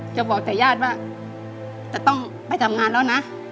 จะบอกแต่ญาติว่าจะต้องไปทำงานแล้วนะ